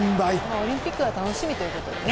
オリンピックが楽しみということでね。